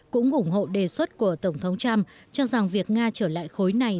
cũng ủng hộ đề xuất của tổng thống trump cho rằng việc nga trở lại khối này